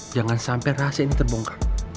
jangan sampai rahasia ini terbongkar